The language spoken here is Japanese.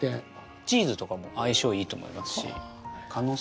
チーズとかも相性いいと思いますし。